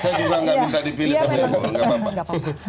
saya juga nggak minta dipilih sama orang nggak apa apa